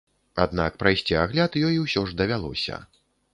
Аднак прайсці агляд ёй усё ж давялося.